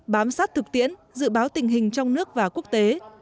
bám sát thực tiễn dự báo tình hình trong nước và quốc tế